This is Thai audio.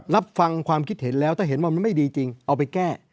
รับฟังความคิดเห็นแล้วถ้าเห็นว่ามันไม่ดีจริงเอาไปแก้